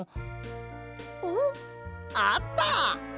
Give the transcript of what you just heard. んっあった！